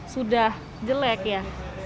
sudah jelek ya